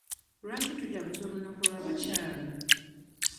Lwaki tujaguza olunaku lw'abakyala?